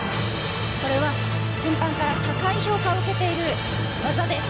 これは審判から高い評価を受けている技です。